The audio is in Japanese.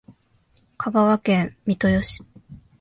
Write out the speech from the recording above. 香川県三豊市